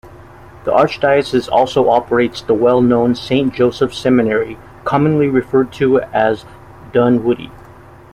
The Archdiocese also operates the well-known Saint Joseph's Seminary, commonly referred to as Dunwoodie.